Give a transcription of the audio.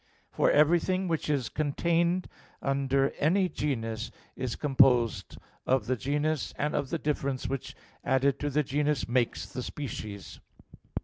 For everything which is contained under any genus is composed of the genus, and of the difference which added to the genus makes the species.